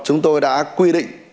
chúng tôi đã quy định